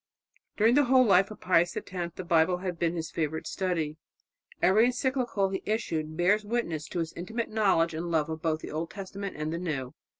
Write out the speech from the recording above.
'" During the whole life of Pius X the Bible had been his favourite study. Every encyclical he issued bears witness to his intimate knowledge and love of both the Old Testament and the New.